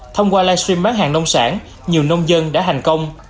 thông qua livestream bán hàng nông sản nhiều nông dân đã hành công